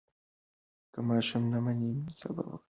که ماشوم نه مني، صبر وکړئ.